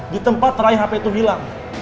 di tempat raih hp itu hilang